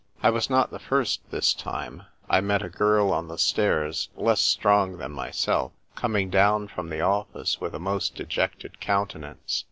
I was not the first this time ; I met a girl on the stairs, less strong than myself, coming down from the office with a most dejected countenance.